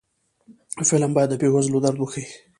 فلم باید د بې وزلو درد وښيي